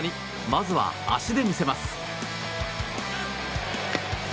まずは足で魅せます。